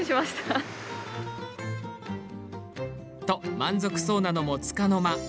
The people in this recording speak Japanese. と、満足そうなのも、つかの間。